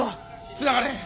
つながれへん。